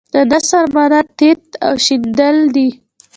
د نثر معنی تیت او شیندل دي.